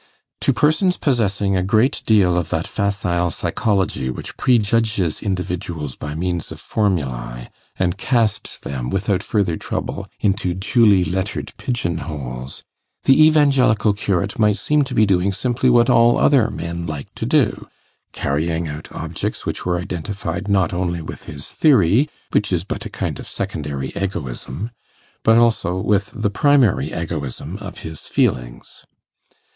To persons possessing a great deal of that facile psychology which prejudges individuals by means of formulæ, and casts them, without further trouble, into duly lettered pigeon holes, the Evangelical curate might seem to be doing simply what all other men like to do carrying out objects which were identified not only with his theory, which is but a kind of secondary egoism, but also with the primary egoism of his feelings.